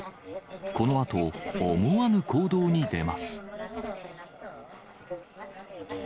このあと、思わぬ行動に出ます。